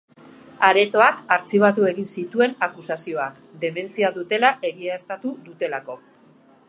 Aretoak artxibatu egin zituen akusazioak, dementzia dutela egiaztatu dutelako.